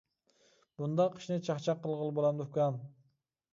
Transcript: -بۇنداق ئىشنى چاقچاق قىلغىلى بولامدۇ ئۇكام.